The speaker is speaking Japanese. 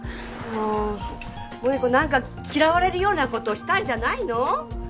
萠子何か嫌われるようなことしたんじゃないの？